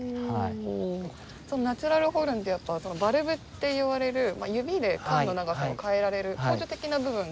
ナチュラルホルンってやっぱバルブっていわれる指で管の長さを変えられる補助的な部分が。